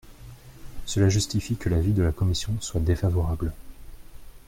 Cela justifie que l’avis de la commission soit défavorable.